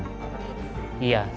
iya saya akan berhenti